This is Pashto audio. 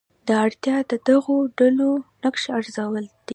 دا اړتیا د دغو ډلو نقش ارزول دي.